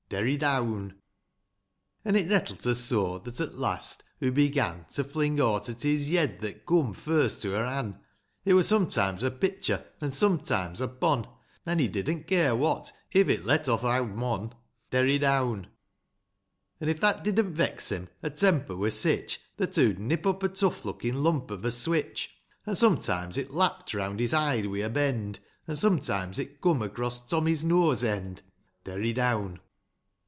Derry down. XI. An', it nettle't her so, that, at last, hoo began To fling aught at his yed that coom first to her han' It wur sometimes a pitcher, an' sometimes a pon ; Nanny didn't care what,— if it let o'lh owd mon. Derry down. TOMMY FOBS. 33 XII. An' if that didn't vex him, — her temper wur sich, — That hoo'd nip up a tough lookin' lump of a switch ; An' sometimes it lapt round his hide wi' a bend, An' sometimes it coom across Tommy's nose end. Derry down.